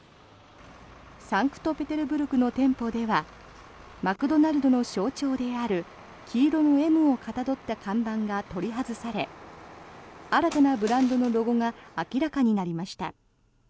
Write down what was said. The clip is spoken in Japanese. サンクトペテルブルクの店舗ではマクドナルドの象徴である黄色の「Ｍ」をかたどった看板が取り外され新たなブランドのロゴが明らかになりました。